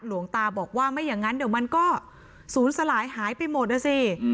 หลวงตาบอกว่าไม่อย่างนั้นเดี๋ยวมันก็ศูนย์สลายหายไปหมดนะสิ